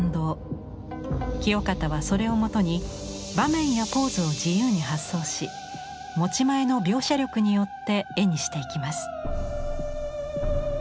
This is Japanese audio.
清方はそれをもとに場面やポーズを自由に発想し持ち前の描写力よって絵にしていきます。